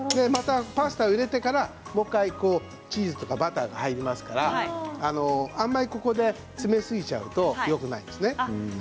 パスタを入れてから、もう１回チーズやバターが入りますからあんまりここで詰めすぎちゃうとよくないんですね。